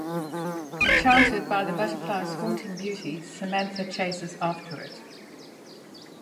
Enchanted by the butterfly's haunting beauty, Samantha chases after it.